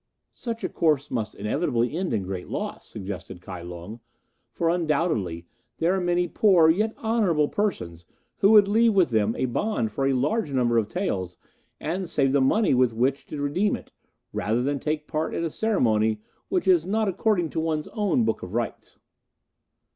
"Such a course must inevitably end in great loss," suggested Kai Lung; "for undoubtedly there are many poor yet honourable persons who would leave with them a bond for a large number of taels and save the money with which to redeem it, rather than take part in a ceremony which is not according to one's own Book of Rites."